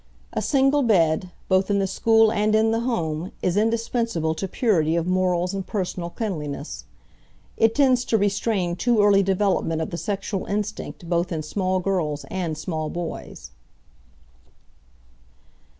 A single bed, both in the school and in the home, is indispensable to purity of morals and personal cleanliness. It tends to restrain too early development of the sexual instinct both in small girls and small boys.